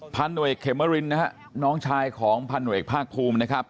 พันธุเอกเคเมอรินนะฮะน้องชายของพันธุเอกภาคภูมินะครับ